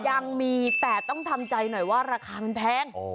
ยังมีแต่ต้องทำใจหน่อยว่าราคามันแพง